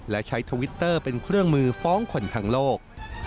และใช้ทวิตเตอร์เป็นเครื่องมือฟ้องคนทางโลก